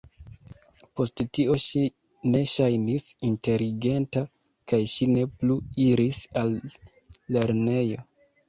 Post tio, ŝi ne ŝajnis inteligenta kaj ŝi ne plu iris al lernejo.